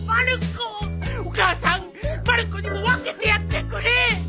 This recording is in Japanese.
お母さんまる子にも分けてやってくれ！